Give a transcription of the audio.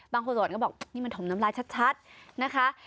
บางคนส่วนก็บอกนี่มันถมน้ำลายชัดนะคะ